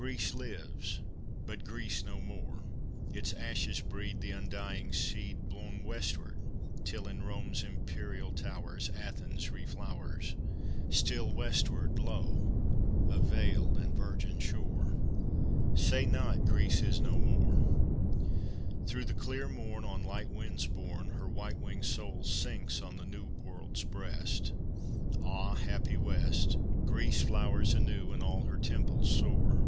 II Greece lives, but Greece no more! Its ashes breed The undying seed Blown westward till, in Rome's imperial towers, Athens reflowers; Still westward lo, a veiled and virgin shore! III Say not, "Greece is no more." Through the clear morn On light winds borne Her white winged soul sinks on the New World's breast. Ah! happy West Greece flowers anew, and all her temples soar!